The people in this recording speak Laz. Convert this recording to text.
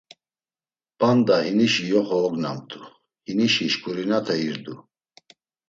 P̌anda hinişi yoxo ognamt̆u, hinişi şǩurinate irdu.